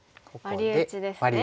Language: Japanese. ワリ打ちですね。